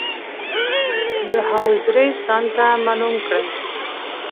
د هغوی دریځ ځانته معلوم کړي.